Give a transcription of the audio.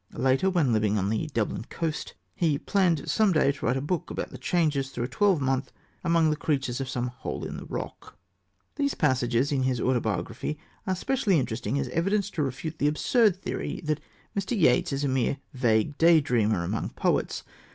Later, when living on the Dublin coast, he "planned some day to write a book about the changes through a twelvemonth among the creatures of some hole in the rock." These passages in his autobiography are specially interesting as evidence to refute the absurd theory that Mr. Yeats is a mere vague day dreamer among poets.